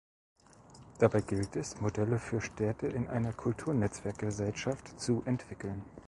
Dabei gilt es, Modelle für Städte in einer Kulturnetzwerkgesellschaft zu entwickeln.